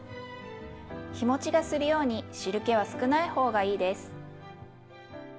日もちがするように汁けは少ない方がいいです。